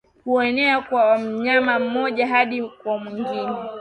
huenea kwa mnyama mmoja hadi kwa mwingine